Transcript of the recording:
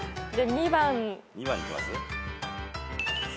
２番いきます？